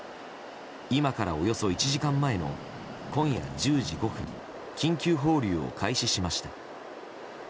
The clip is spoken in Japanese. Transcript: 今からおよそ１時間前の今夜１０時５分緊急放流を開始しました。